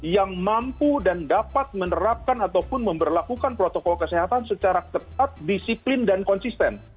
yang mampu dan dapat menerapkan ataupun memperlakukan protokol kesehatan secara ketat disiplin dan konsisten